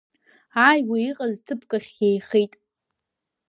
Ааигәа иҟаз ҭыԥк ахь еихеит.